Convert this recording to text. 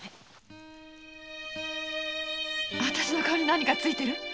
あたしの顔に何かついてる？